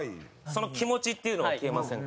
その気持ちっていうのは消えませんから。